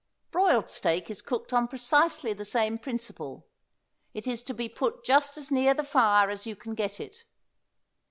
Broiled steak is cooked on precisely the same principle. It is to be put just as near the fire as you can get it.